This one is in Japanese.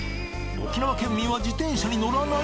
沖縄県民は自転車に乗らない！？